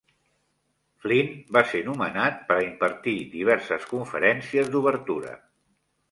Flint va ser nomenat per a impartir diverses conferències d'obertura.